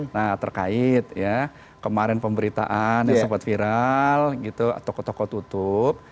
nah terkait ya kemarin pemberitaan yang sempat viral gitu toko toko tutup